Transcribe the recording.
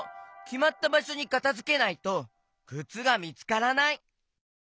きまったばしょにかたづけないとくつがみつからない。